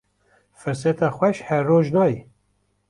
Firseta xewş her roj nayê